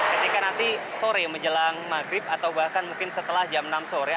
ketika nanti sore menjelang maghrib atau bahkan mungkin setelah jam enam sore